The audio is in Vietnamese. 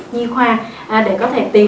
nhi khoa để có thể tìm